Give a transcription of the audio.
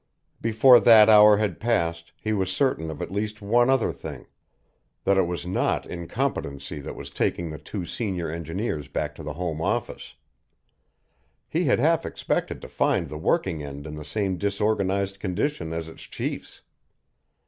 Before that hour had passed he was certain of at least one other thing that it was not incompetency that was taking the two senior engineers back to the home office. He had half expected to find the working end in the same disorganized condition as its chiefs.